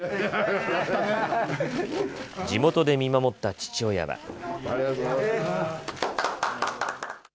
地元で見守った父親は。